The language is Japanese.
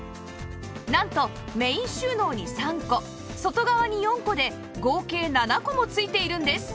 なんとメイン収納に３個外側に４個で合計７個も付いているんです